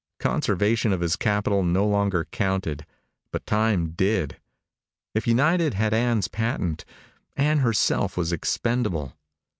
Conservation of his capital no longer counted, but time did. If United had Ann's patent, Ann herself was expendable.